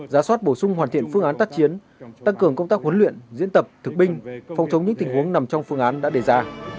giá soát bổ sung hoàn thiện phương án tác chiến tăng cường công tác huấn luyện diễn tập thực binh phòng chống những tình huống nằm trong phương án đã đề ra